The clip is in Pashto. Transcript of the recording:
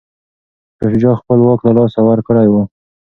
شاه شجاع خپل واک له لاسه ورکړی و.